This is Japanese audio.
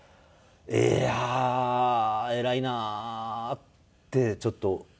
いやあ偉いな！ってちょっと思います。